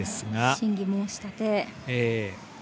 審議申し立て。